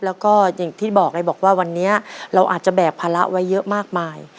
แล้วก็อย่างที่บอกเลยบอกว่าวันนี้เราอาจจะแบกภาระไว้เยอะมากมาย